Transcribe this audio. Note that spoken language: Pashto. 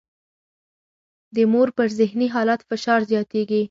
د مور پر ذهني حالت فشار زیاتېږي.